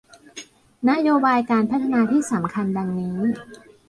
นโยบายการพัฒนาที่สำคัญดังนี้